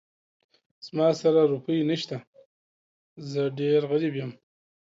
زما سره روپۍ نه شته، زه ډېر غريب يم.